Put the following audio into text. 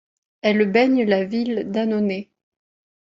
Elle baigne la ville d'Annonay.